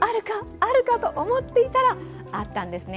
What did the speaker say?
あるか？と思っていたらあったんですね。